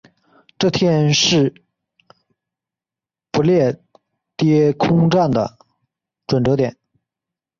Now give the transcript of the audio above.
这天是不列颠空战的转折点。